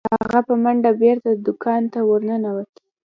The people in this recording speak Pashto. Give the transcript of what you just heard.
هغه په منډه بیرته دکان ته ورنوت.